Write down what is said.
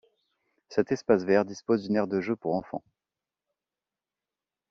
Cet espace vert dispose d'une aire de jeu pour enfants.